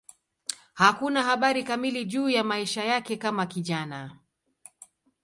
Hakuna habari kamili juu ya maisha yake kama kijana.